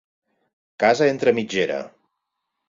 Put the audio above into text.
Casa entre mitgera.